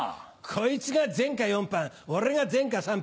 こいつが前科４犯俺が前科３犯。